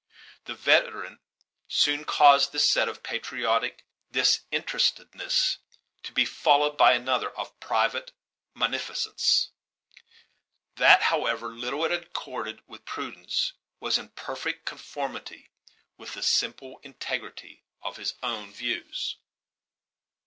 The veteran soon caused this set of patriotic disinterestedness to be followed by another of private munificence, that, however little it accorded with prudence, was in perfect conformity with the simple integrity of his own views.